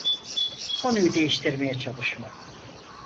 Konuyu değiştirmeye çalışma.